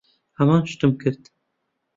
ھەمان شتم کرد.